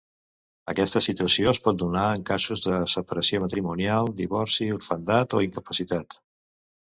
Aquesta situació es pot donar en casos de separació matrimonial, divorci, orfandat o incapacitat.